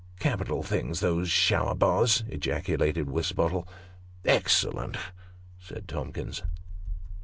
" Capital things those shower baths !" ejaculated Wisbottle. " Excellent !" said Tomkins.